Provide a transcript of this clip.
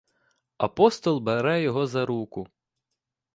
Апостол бере його за руку.